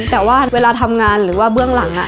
แต่ว่าเวลาทำงานหรือว่าเบื้องหลัง